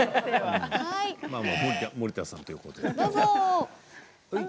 森田さんということで。